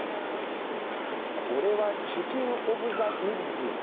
これはチキン・オブ・ザ・ウッズ。